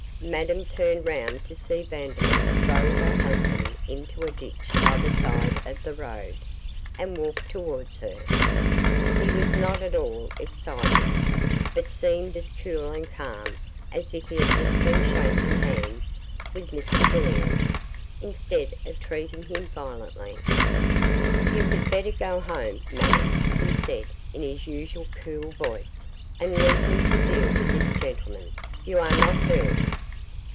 Madame turned round to see Vandeloup throw her husband into a ditch by the side of the road, and walk towards her. He was not at all excited, but seemed as cool and calm as if he had just been shaking hands with Mr Villiers instead of treating him violently. 'You had better go home, Madame,' he said, in his usual cool voice, 'and leave me to deal with this gentleman; you are not hurt?